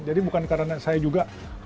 jadi bukan karena saya juga pelik